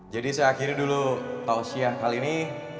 jadi saya akhiri dulu tausiyah kali ini